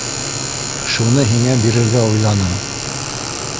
Шуны һиңә бирергә уйланым.